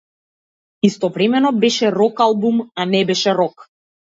Истовремено беше рок-албум, а не беше рок.